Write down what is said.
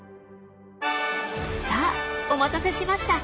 さあお待たせしました。